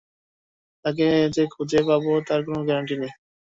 তাকে যে খুঁজে পাবো তারও কোন গ্যারান্টি নেই।